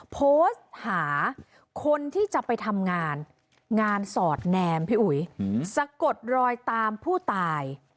โพสต์หาคนที่จะไปทำงานงานสอดแนมพี่อุ๋ยสะกดรอยตามผู้ตาย